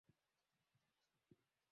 balozi kampaniz amesema kifurushi hicho